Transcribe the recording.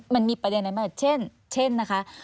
มันมีประเด็นอะไรมาเช่นนะคะ